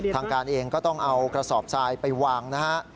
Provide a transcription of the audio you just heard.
ทางการเองก็ต้องเอากระสอบทรายไปวางนะฮะ